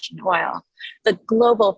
harga minyak rusia global